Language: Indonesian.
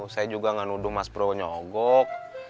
saya juga nggak nuduh mas bro nyogok